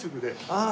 ああ